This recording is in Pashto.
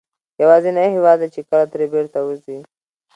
یوازینی هېواد دی چې کله ترې بېرته وځې.